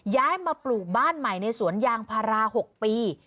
ย้ายมาปลูกบ้านใหม่ในสวนยางพารา๖ปี